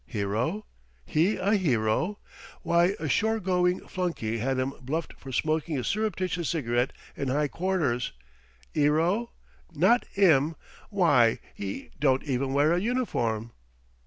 Hero? He a hero? Why a shore going flunky had him bluffed for smoking a surreptitious cigarette in high quarters! 'Ero? Not 'im. Why 'e don't even wear a uniform.